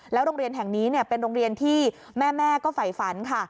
โรงเรียนแห่งนี้เป็นโรงเรียนที่แม่ก็ไฝฝันค่ะ